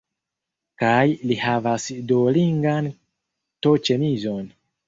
Kaj li havas Duolingan to-ĉemizon